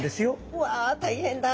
うわ大変だ。